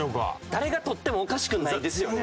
誰が取ってもおかしくないですよね。